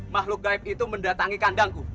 makhluk gaib itu mendatangi kandangku